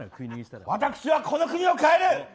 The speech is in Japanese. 私はこの国を変える！